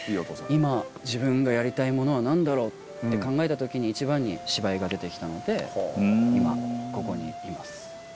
今自分がやりたいものは何だろうって考えた時に一番に芝居が出て来たので今ここにいます。